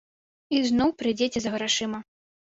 І зноў прыйдзеце за грашыма.